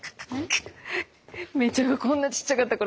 芽依ちゃんがこんなちっちゃかった頃。